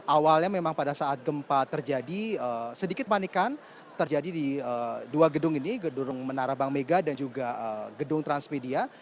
awalnya memang pada saat gempa terjadi sedikit panikan terjadi di dua gedung ini gedung menara bank mega dan juga gedung transmedia